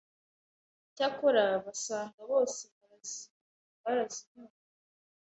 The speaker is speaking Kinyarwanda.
cyakora basanga bose barazinyoye